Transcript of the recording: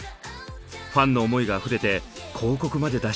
ファンの思いがあふれて広告まで出してしまう。